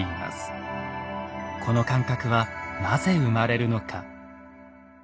この感覚はなぜ生まれるのか。